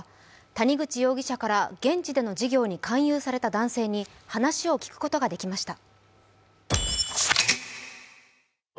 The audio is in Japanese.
谷口容疑者から現地での事業に勧誘された男性に話を聞くことができました。